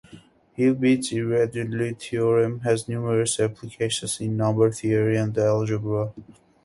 Hilbert's irreducibility theorem has numerous applications in number theory and algebra.